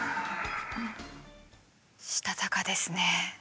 したたかですね。